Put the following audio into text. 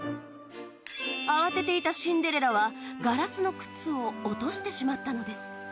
慌てていたシンデレラはガラスの靴を落としてしまったのです。